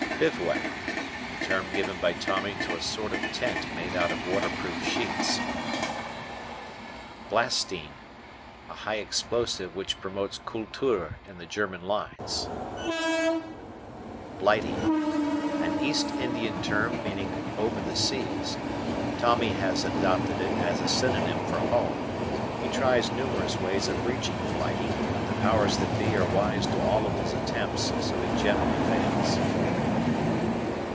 Bivouac. A term given by Tommy to a sort of tent made out of waterproof sheets. Blastine. A high explosive which promotes Kultur in the German lines, Blighty. An East Indian term meaning "over the seas." Tommy has adopted it as a synonym for home. He tries numerous ways of reaching Blighty, but the "powers that be" are wise to all of his attempts, so he generally fails.